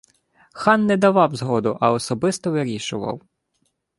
Хан не давав згоду, а особисто вирішував! –